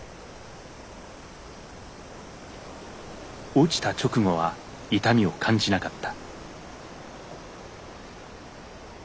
落ちた直後は痛みを感じなかった。